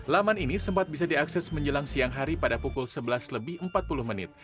laman ini sempat bisa diakses menjelang siang hari pada pukul sebelas lebih empat puluh menit